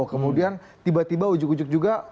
kemudian tiba tiba ujug ujug juga